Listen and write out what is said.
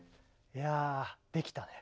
いやできたね。